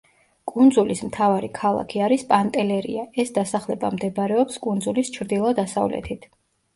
კუნძულის მთავარი ქალაქი არის პანტელერია, ეს დასახლება მდებარეობს კუნძულის ჩრდილო-დასავლეთით.